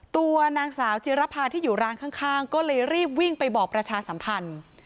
ตัวนางสาวจิรภาที่อยู่ร้านข้างก็เลยรีบวิ่งไปบอกประชาสัมพันธ์